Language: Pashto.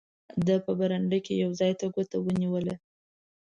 ده په برنډه کې یو ځای ته ګوته ونیوله.